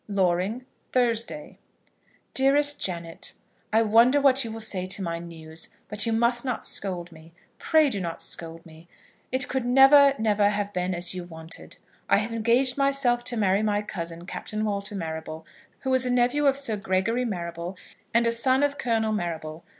Loring, Thursday. DEAREST JANET, I wonder what you will say to my news? But you must not scold me. Pray do not scold me. It could never, never have been as you wanted. I have engaged myself to marry my cousin, Captain Walter Marrable, who is a nephew of Sir Gregory Marrable, and a son of Colonel Marrable.